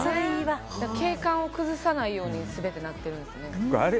景観を崩さないように全てなってるんですね。